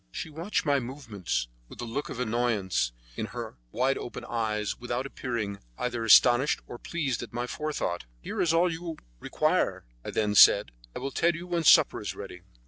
She watched my movements with a look of annoyance in her wide open eyes, without appearing either astonished or pleased at my forethought. "Here is all that you require," I then said; "I will tell you when supper is ready."